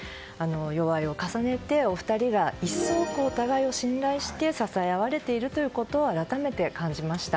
齢を重ねてお二人が一層、お互いを信頼して支え合われているということを改めて感じました。